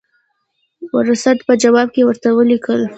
ورلسټ په جواب کې ورته ولیکل.